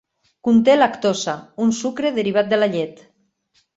Conté lactosa, un sucre derivat de la llet.